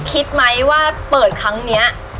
คิดมั้ยว่าเปิดครั้งเนี้ย